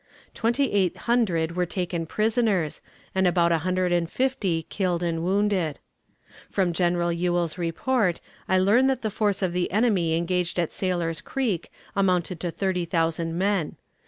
Twenty eight hundred were taken prisoners, and about a hundred and fifty killed and wounded. From General Ewell's report, I learn that the force of the enemy engaged at Sailor's Creek amounted to thirty thousand men.